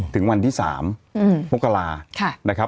ถึงวันที่๓มกรานะครับ